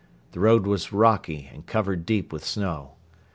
The road was rocky and covered deep with snow.